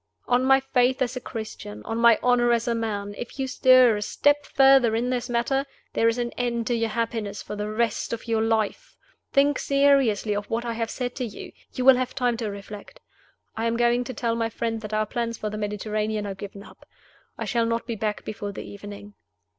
On my faith as a Christian, on my honor as a man, if you stir a step further in this matter, there is an end to your happiness for the rest of your life! Think seriously of what I have said to you; you will have time to reflect. I am going to tell my friend that our plans for the Mediterranean are given up. I shall not be back before the evening."